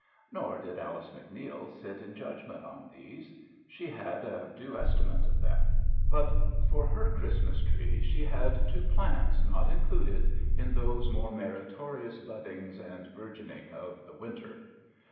Nor did Alice MacNeil sit in judgment on these. She had a due estimate of them. But for her Christmas tree she had two plans not included in those more meritorious buddings and bourgeonings of the winter.